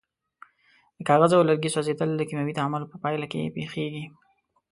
د کاغذ او لرګي سوځیدل د کیمیاوي تعامل په پایله کې پیښیږي.